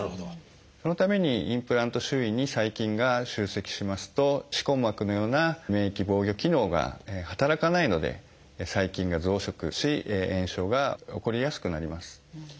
そのためにインプラント周囲に細菌が集積しますと歯根膜のような免疫防御機能が働かないので細菌が増殖し炎症が起こりやすくなります。